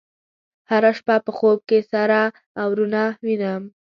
هره شپه په خوب کې سره اورونه وینم